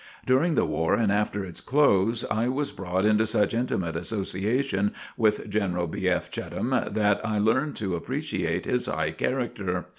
During the war and after its close I was brought into such intimate association with General B. F. Cheatham, that I learned to appreciate his high character.